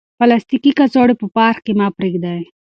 پلاستیکي کڅوړې په پارک کې مه پریږدئ.